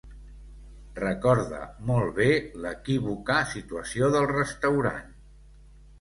Recorda molt bé l'equívoca situació del restaurant.